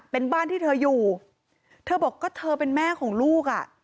เป็นบ้านที่เธออยู่เธอบอกก็เธอเป็นแม่ของลูกอ่ะ